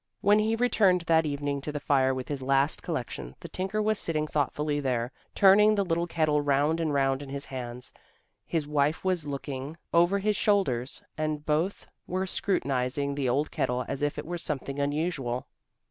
When he returned that evening to the fire with his last collection, the tinker was sitting thoughtfully there, turning the little kettle round and round in his hands. His wife was looking over his shoulders and both were scrutinizing the old kettle as if it were something unusual.